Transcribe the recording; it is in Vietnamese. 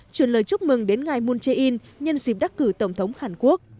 chuyển lời chúc mừng đến ngài moon jae in nhân dịp đắc cử tổng thống hàn quốc